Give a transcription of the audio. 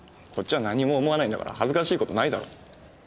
こっちは何も思わないんだから恥ずかしい事ないだろ。